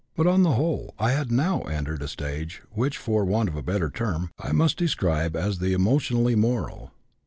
But, on the whole, I had now entered a stage which, for want of a better term, I must describe as the emotionally moral.